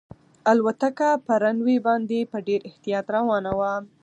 الوتکه په رن وې باندې په ډېر احتیاط روانه وه.